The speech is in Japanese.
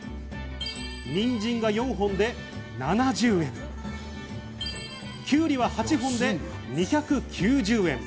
にんじんが４本で７０円、きゅうりは８本で２９０円。